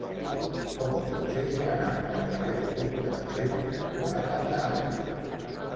Com ho puc fer per anar al carrer Conca de Tremp cantonada Anoia?